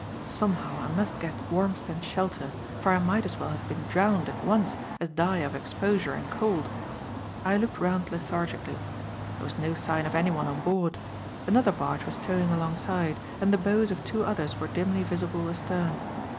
Somehow I must get warmth and shelter, for I might as well have been drowned at once as die of exposure and cold. I looked round lethargically. There was no sign of any one on board. Another barge was towing alongside, and the bows of two others were dimly visible astern.